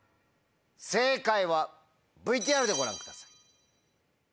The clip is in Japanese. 正解はＶＴＲでご覧ください。